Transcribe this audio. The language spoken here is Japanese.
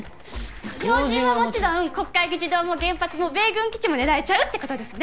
要人はもちろん要人はもちろん国会議事堂も原発も米軍基地も狙えちゃうってことですね